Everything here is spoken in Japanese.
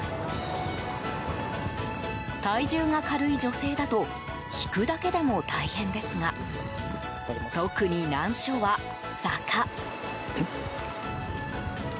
体重が軽い女性だと引くだけでも大変ですが特に難所は、坂。